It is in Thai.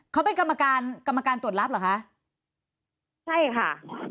เขาเป็นกรรมการกรรมการตรวจรับเหรอคะใช่ค่ะ